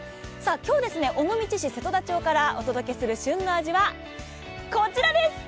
今日、尾道市瀬戸田町からお届けする旬の味は、こちらです。